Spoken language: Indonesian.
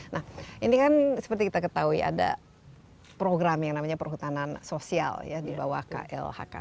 nah ini kan seperti kita ketahui ada program yang namanya perhutanan sosial ya di bawah klhk